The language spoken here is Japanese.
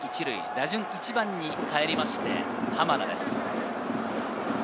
打順１番にかえりまして、濱田です。